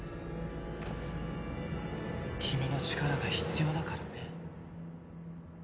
君の力が必要だからね。